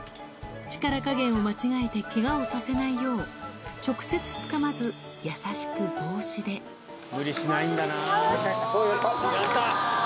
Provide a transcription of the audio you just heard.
力加減を間違えてけがをさせないよう、直接つかまず、優しく帽子あー、よし。